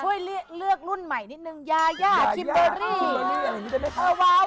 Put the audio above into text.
เลือกรุ่นใหม่นิดนึงยายาคิมเบอรี่